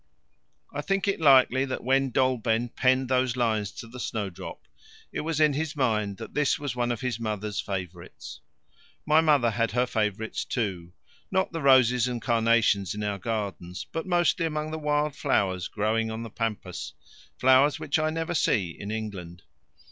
I think it likely that when Dolben penned those lines to the Snowdrop it was in his mind that this was one of his mother's favourites. My mother had her favourites too; not the roses and carnations in our gardens, but mostly among the wild flowers growing on the pampas flowers which I never see in England.